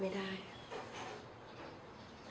แล้วบอกว่าไม่รู้นะ